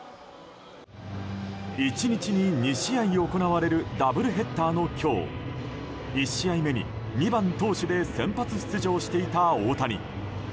１日に２試合行われるダブルヘッダーの今日１試合目に２番投手で先発出場していた大谷。